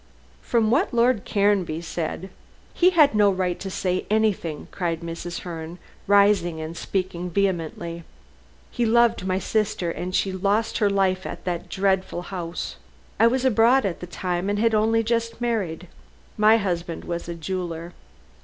"From what Lord Caranby said " "He has no right to say anything," cried Mrs. Herne, rising and speaking vehemently; "he loved my sister, and she lost her life at that dreadful house. I was abroad at the time, and had only just married. My husband was a jeweller.